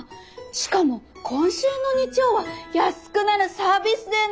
しかも今週の日曜は安くなるサービスデーなのね。